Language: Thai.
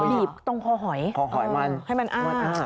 บีบตรงคอหอยมัน